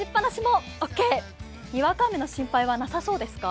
にわか雨の心配なさそうですか？